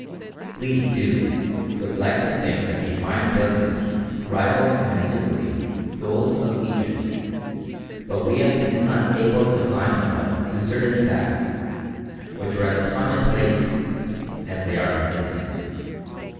We, too, would like to think that these Mayan buildings rival in antiquity those of Egypt; but we have been unable to blind ourselves to certain facts, which are as commonplace as they are convincing.